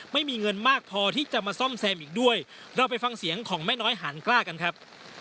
ไม่มีเงินมากพอที่จะมาซ่อมแซมอีกด้วยเราไปฟังเสียงของแม่น้อยหานกล้ากันครับ